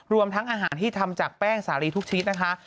รวมทั้งอาหารที่ทำจากแป้งสาลีทุกชนิดนะคะ